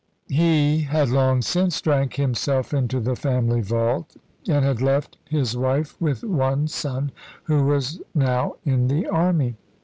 He had long since drank himself into the family vault, and had left his wife with one son, who was now in the army.